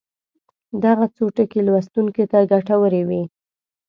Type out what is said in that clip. دغه څو ټکي لوستونکو ته ګټورې وي.